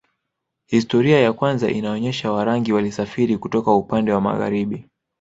Historia ya kwanza inaonyesha Warangi walisafiri kutoka upande wa magharibi